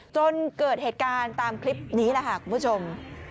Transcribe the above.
จนเกิดเหตุการณ์ตามคลิปนี้แหละค่ะคุณผู้ชม